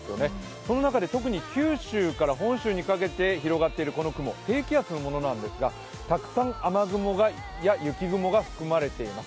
その中で特に九州から本州にかけて広がっているこの雲、低気圧のものなんですが、たくさん雨雲や雪雲が含まれています。